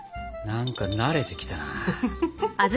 何か慣れてきたな。